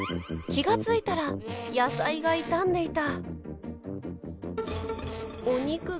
気が付いたら野菜が傷んでいた。